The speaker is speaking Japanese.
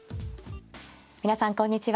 皆さんこんにちは。